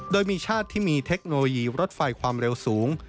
โดยมีชาติที่มีเทคโนโลยีรถไฟความเร็วสูง